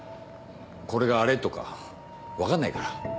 「これがあれ」とか分かんないから。